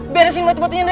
beresin batu batunya ndre